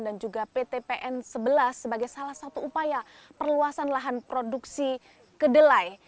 dan juga pt pn sebelas sebagai salah satu upaya perluasan lahan produksi kedelai